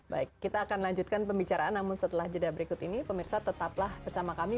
baik kita akan lanjutkan pembicaraan namun setelah jeda berikut ini pemirsa tetaplah bersama kami